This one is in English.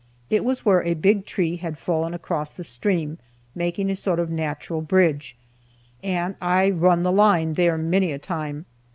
It was where a big tree had fallen across the stream, making a sort of natural bridge, and I "run the line" there many a time.